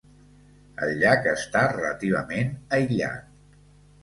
El llac està relativament aïllat.